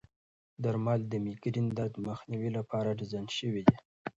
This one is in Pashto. درمل د مېګرین درد مخنیوي لپاره ډیزاین شوي دي.